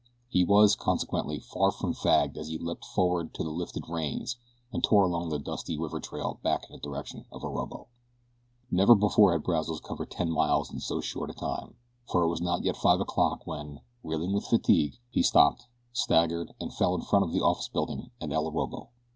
He was, consequently, far from fagged as he leaped forward to the lifted reins and tore along the dusty river trail back in the direction of Orobo. Never before had Brazos covered ten miles in so short a time, for it was not yet five o'clock when, reeling with fatigue, he stopped, staggered and fell in front of the office building at El Orobo.